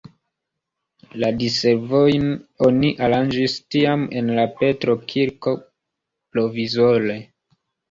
La diservojn oni aranĝis tiam en la Petro-kirko provizore.